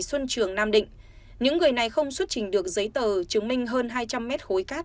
xuân trường nam định những người này không xuất trình được giấy tờ chứng minh hơn hai trăm linh mét khối cát